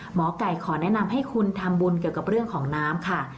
หมอไก่ขอแนะนำให้คุณทำบุญเกี่ยวกับเรื่องของน้ำค่ะ